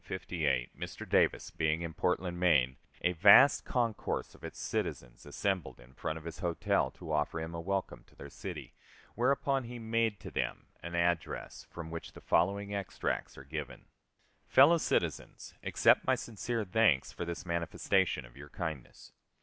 In the summer of 1858, Mr. Davis being in Portland, Maine, a vast concourse of its citizens assembled in front of his hotel to offer him a welcome to their city, whereupon he made to them an address, from which the following extracts are given: Fellow Citizens: Accept my sincere thanks for this manifestation of your kindness.